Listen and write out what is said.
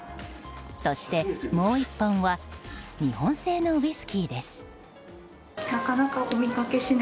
そしてもう１本は日本製のウイスキーです。